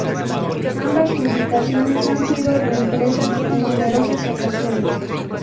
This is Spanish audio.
Ambas publicaciones han sido reimpresas en numerosas ocasiones.